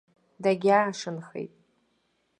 Дагьаашанхеит.